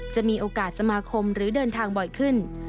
จะมีโอกาสสมาคมหรือเดินทางบ่อยขึ้น